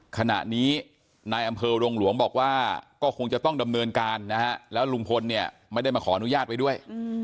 ขณะนี้นายอำเภอรงหลวงบอกว่าก็คงจะต้องดำเนินการนะฮะแล้วลุงพลเนี่ยไม่ได้มาขออนุญาตไว้ด้วย